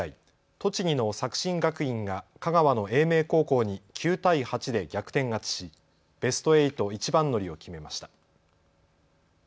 栃木の作新学院が香川の英明高校に９対８で逆転勝ちしベスト８一番乗りを決めました。